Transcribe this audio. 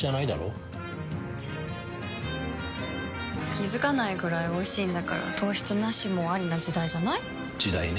気付かないくらいおいしいんだから糖質ナシもアリな時代じゃない？時代ね。